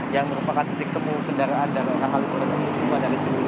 yang merupakan titik temu kendaraan dari asal asal